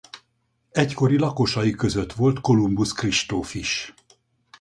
Egykori lakosai között volt Kolumbusz Kristóf is.